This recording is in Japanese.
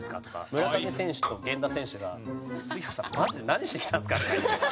村上選手と源田選手が「杉谷さんマジで何しに来たんですか？」とか。